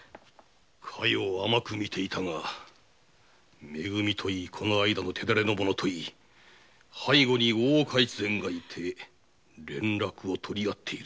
加代を甘く見ていたが「め組」といいこの間の武士といい背後に大岡越前がいて連絡を取り合っているようだ。